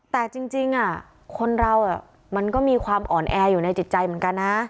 แต่จริงคนเรามันก็มีความอ่อนแออยู่ในจิตใจเหมือนกันนะ